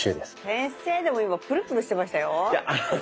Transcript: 先生でも今プルプルしてましたよ。